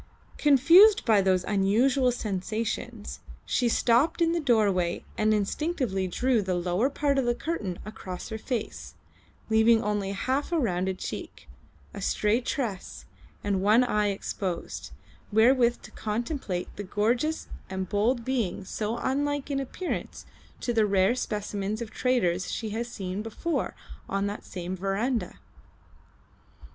Confused by those unusual sensations she stopped in the doorway and instinctively drew the lower part of the curtain across her face, leaving only half a rounded cheek, a stray tress, and one eye exposed, wherewith to contemplate the gorgeous and bold being so unlike in appearance to the rare specimens of traders she had seen before on that same verandah.